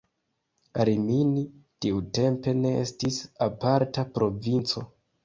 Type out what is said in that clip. Rimini tiutempe ne estis aparta provinco.